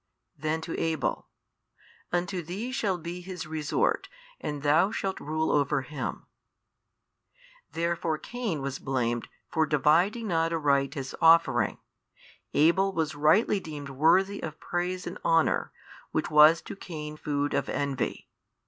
Then to Abel, Unto thee shall be his resort and thou shalt rule over him. Therefore Cain was blamed for dividing not aright his offering, Abel was rightly deemed worthy of praise and honour, which was to Cain food of envy.